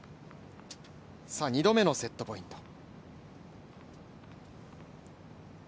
２度目のセットポイント。